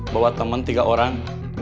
bawa teman tiga orang